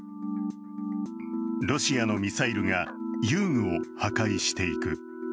ロシアのミサイルが遊具を破壊していく。